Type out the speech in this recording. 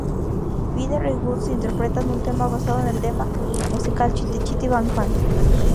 Peter y Woods interpretan un tema basado en el musical "Chitty Chitty Bang Bang".